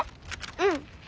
うん。